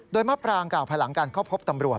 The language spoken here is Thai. โดยมะปรางกล่าวภายหลังการเข้าพบตำรวจ